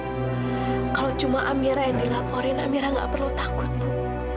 bu kalau cuma amira yang dilaporin amira gak perlu takut bu